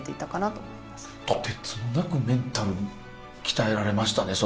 とてつもなくメンタル鍛えられましたねそれは。